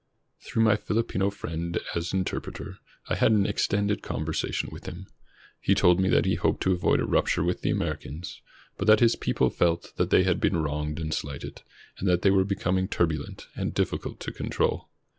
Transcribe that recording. Through my Filipino friend, as interpreter, I had an extended conversation with him. He told me that he hoped to avoid a rupture with the Americans, but that his people felt that they had been wronged and slighted, and that they were becoming turbulent and difficult to control.